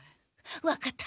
分かった。